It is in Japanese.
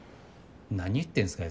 何言ってんすか？